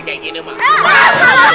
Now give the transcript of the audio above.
juga sama orang